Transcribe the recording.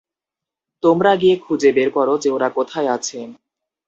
তোমরা গিয়ে খুঁজে বের করো যে ওরা কোথায় আছে।